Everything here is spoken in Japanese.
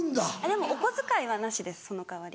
でもお小遣いはなしですその代わり。